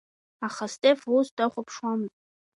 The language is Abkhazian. Аха Стефа ус дахәаԥшуамызт.